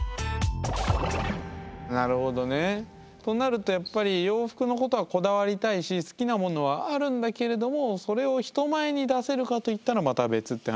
となるとやっぱり洋服のことはこだわりたいし好きなものはあるんだけれどもそれを人前に出せるかといったらまた別って話になってくるわけですね。